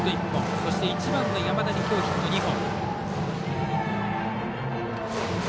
そして、１番の山田にきょうヒット２本。